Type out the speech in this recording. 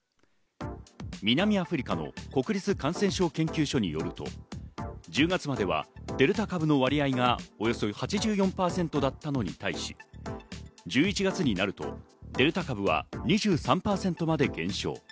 南アフリカの国立感染症研究所によると、１０月まではデルタ株の割合がおよそ８４％だったのに対し、１１月になるとデルタ株は２３％まで減少。